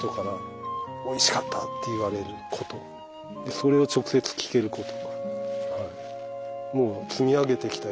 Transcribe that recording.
それを直接聞けること。